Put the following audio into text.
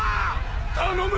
頼む！